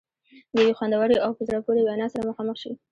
د یوې خوندورې او په زړه پورې وینا سره مخامخ شي.